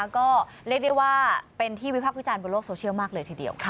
ก็เรียกได้ว่าเป็นที่วิพักษ์วิจารณ์บนโลกโซเชียลมากเลยทีเดียว